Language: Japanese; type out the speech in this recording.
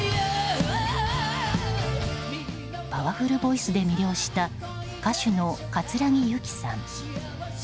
パワフルボイスで魅了した歌手の葛城ユキさん。